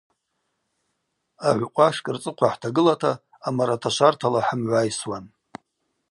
Агӏвкъвашкӏ рцӏыхъва хӏтагылата амараташвартала хӏымгӏвайсуан.